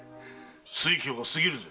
酔狂が過ぎるぞ。